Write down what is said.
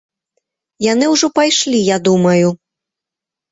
Яны ўжо пайшлі, я думаю.